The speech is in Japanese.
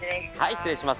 失礼します。